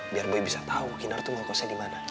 biar boy bisa tau kinar tuh ngokosnya dimana